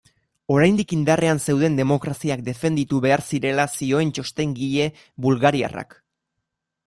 Oraindik indarrean zeuden demokraziak defenditu behar zirela zioen txostengile bulgariarrak.